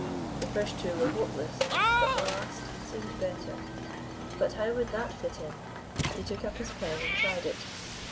The two first were hopeless, but the last seemed better. But how would that fit in? He took up his pen and tried it.